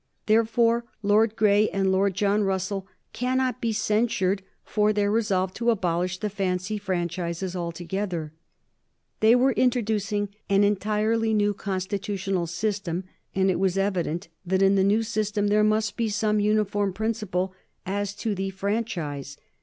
Therefore Lord Grey and Lord John Russell cannot be censured for their resolve to abolish the fancy franchises altogether. They were introducing an entirely new constitutional system, and it was evident that in the new system there must be some uniform principle as to the franchise.